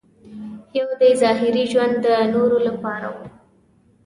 یو دې ظاهري ژوند د نورو لپاره و.